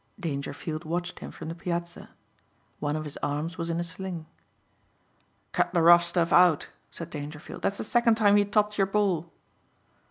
Dangerfield watched him from the piazza. One of his arms was in a sling. "Cut the rough stuff out," said Dangerfield, "that's the second time you topped your ball."